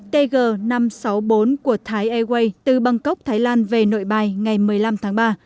tg năm trăm sáu mươi bốn của thái airways từ bangkok thái lan về nội bài ngày một mươi năm tháng ba